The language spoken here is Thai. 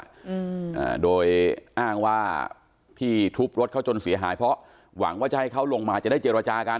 อ่าโดยอ้างว่าที่ทุบรถเขาจนเสียหายเพราะหวังว่าจะให้เขาลงมาจะได้เจรจากัน